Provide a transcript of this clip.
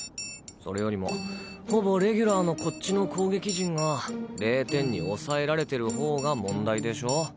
それよりもほぼレギュラーのこっちの攻撃陣が０点に抑えられてる方が問題でしょ。